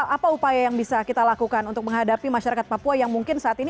apa upaya yang bisa kita lakukan untuk menghadapi masyarakat papua yang mungkin saat ini